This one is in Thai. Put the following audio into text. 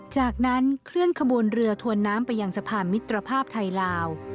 จากนั้นเคลื่อนขบวนเรือถวนน้ำไปยังสะพานมิตรภาพไทยลาว